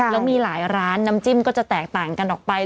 แล้วมีหลายร้านน้ำจิ้มก็จะแตกต่างกันออกไป